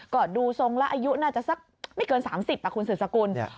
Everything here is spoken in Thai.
ก็ดูทรงแล้วอายุน่าจะสักไม่เกิน๓๐คุณสืบสกุล